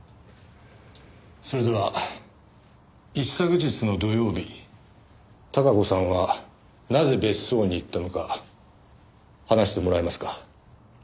それでは一昨日の土曜日孝子さんはなぜ別荘に行ったのか話してもらえますか？